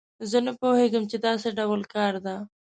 زه نه پوهیږم چې دا څه ډول کار ده